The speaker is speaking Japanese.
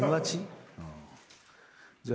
じゃあ。